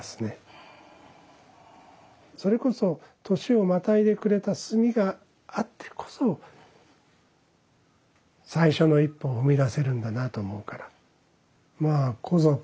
それこそ年をまたいでくれた炭があってこそ最初の一歩を踏み出せるんだなと思うから。